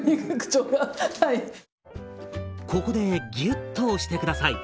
ここでギュッと押して下さい。